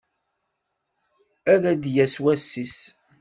Ad d-yas wass-is.